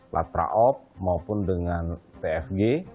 latraop maupun dengan tfg